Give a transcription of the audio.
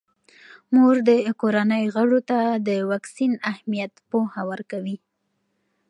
مور د کورنۍ غړو ته د واکسین اهمیت پوهه ورکوي.